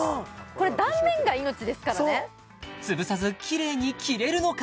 これ断面が命ですからねそう潰さずキレイに切れるのか？